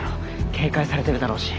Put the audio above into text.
警戒されてるだろうし。